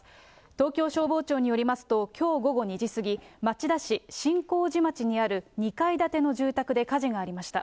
東京消防庁によりますと、きょう午後２時過ぎ、町田市しんこうじ町にある２階建ての住宅で火事がありました。